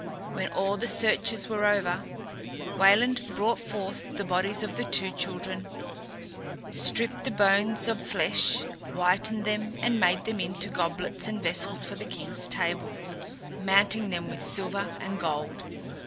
When all the searches were over, Wayland brought forth the bodies of the two children, stripped the bones of flesh, whitened them, and made them into goblets and vessels for the king's table, mounting them with silver and gold.